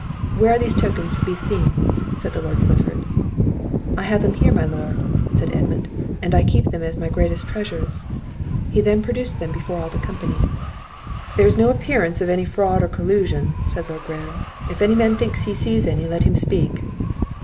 "Where are these tokens to be seen?" said the Lord Clifford. "I have them here, my lord," said Edmund, "and I keep them as my greatest treasures." He then produced them before all the company. "There is no appearance of any fraud or collusion," said Lord Graham; "if any man thinks he sees any, let him speak."